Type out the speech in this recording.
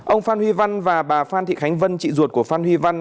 ông phan huy văn và bà phan thị khánh vân chị ruột của phan huy văn